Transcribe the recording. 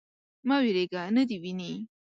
_مه وېرېږه. نه دې ويني.